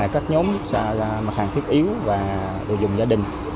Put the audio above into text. các nhóm mặt hàng thiết yếu và đồ dùng gia đình